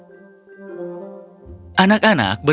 anak anak berkumpul ke rumah